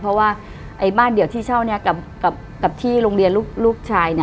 เพราะว่าบ้านเดียวที่เช่านี้กับที่โรงเรียนลูกชาย